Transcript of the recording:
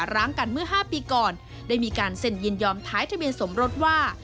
ร้างกันเมื่อ๕ปีก่อนได้มีการเซ็นยินยอมท้ายทะเบียนสมรสว่า